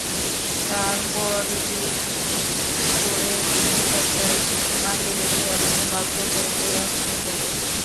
তার পরদিন ভোরে মৃত্যুশয্যায় মাকে রেখেই আমাকে বাধ্য হয়ে চলে আসতে হলো।